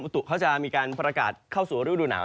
ใกล้จุกก็จะมีการพระกาศเข้าสู่อภัยดูหนาว